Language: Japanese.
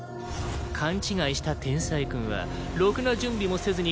勘違いした天才くんはろくな準備もせずに海外挑戦。